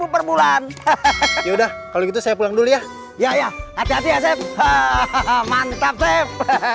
perbulan hahaha yaudah kalau gitu saya pulang dulu ya ya ya hati hati ya sep hahaha mantap